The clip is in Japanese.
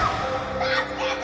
助けて！！